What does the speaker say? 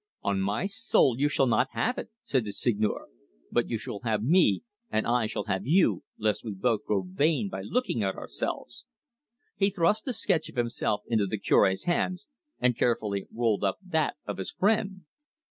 "On my soul, you shall not have it!" said the Seigneur. "But you shall have me, and I shall have you, lest we both grow vain by looking at ourselves." He thrust the sketch of himself into the Cure's hands, and carefully rolled up that of his friend.